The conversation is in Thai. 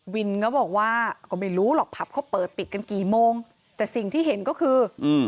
เขาบอกว่าก็ไม่รู้หรอกผับเขาเปิดปิดกันกี่โมงแต่สิ่งที่เห็นก็คืออืม